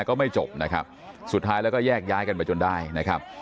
ก็ไม่จบนะครับสุดท้ายแล้วก็แยกย้ายกันไปจนได้นะครับ